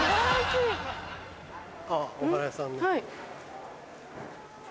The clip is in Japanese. あぁお花屋さんね。